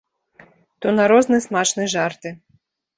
То на розны смачны жарты.